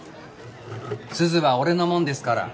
鈴は俺のもんですから。